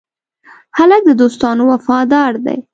هلک د دوستانو وفادار دی.